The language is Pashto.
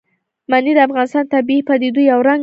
منی د افغانستان د طبیعي پدیدو یو رنګ دی.